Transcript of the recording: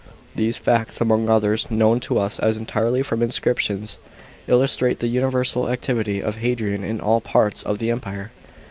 These facts, among others, known to us entirely from inscriptions, illustrate the universal activity of Hadrian in all parts of the Empire.